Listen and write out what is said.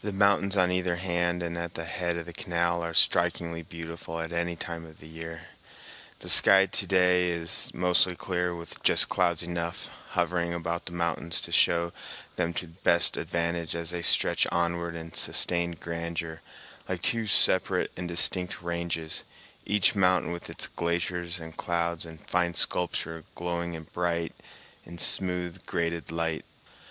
The mountains on either hand and at the head of the canal are strikingly beautiful at any time of the year. The sky to day is mostly clear, with just clouds enough hovering about the mountains to show them to best advantage as they stretch onward in sustained grandeur like two separate and distinct ranges, each mountain with its glaciers and clouds and fine sculpture glowing bright in smooth, graded light.